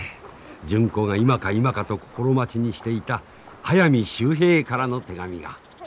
純子が今か今かと心待ちにしていた速水秀平からの手紙が。